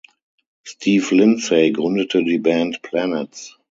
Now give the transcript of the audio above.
Steve Lindsey gründete die Band Planets.